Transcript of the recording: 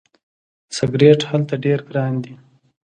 سیګرټ هلته ډیر ګران دي.